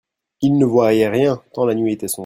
Il ne voyait rien tant la nuit était sombre.